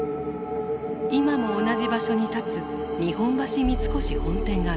今も同じ場所に立つ日本橋三越本店が見える。